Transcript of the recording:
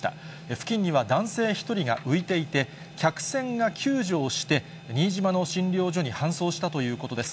付近には男性１人が浮いていて、客船が救助をして、新島の診療所に搬送したということです。